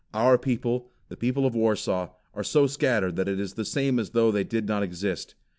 Our people, the people of Warsaw, are so scattered, that it is the same as though they did not exist.